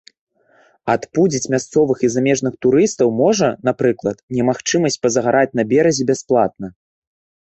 Адпудзіць мясцовых і замежных турыстаў можа, напрыклад, немагчымасць пазагараць на беразе бясплатна.